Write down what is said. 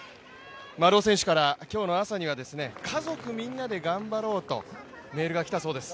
丸尾選手から、今日の朝には家族みんなで頑張ろうとメールがきたそうです。